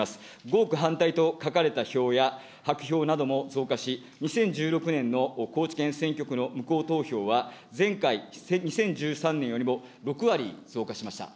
合区反対と書かれた票や白票なども増加し、２０１６年の高知県選挙区の無効投票は前回・２０１３年よりも６割増加しました。